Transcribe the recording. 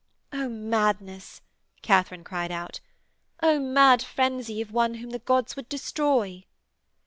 'Oh, madness,' Katharine cried out. 'Oh, mad frenzy of one whom the gods would destroy.'